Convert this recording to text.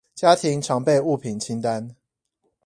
家庭常備物品清單